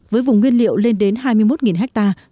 với vùng nguyên liệu lên đến hai mươi một hectare